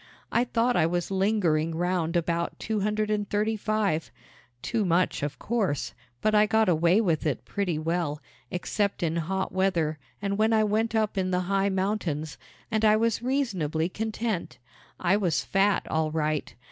I thought I was lingering round about two hundred and thirty five too much, of course; but I got away with it pretty well, except in hot weather and when I went up in the high mountains, and I was reasonably content. I was fat, all right.